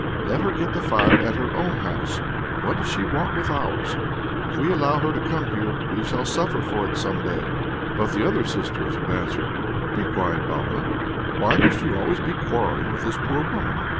Let her get the fire at her own house. What does she want with ours? If we allow her to come here, we shall suffer for it some day." But the other sisters would answer, "Be quiet, Balna; why must you always be quarrelling with this poor woman?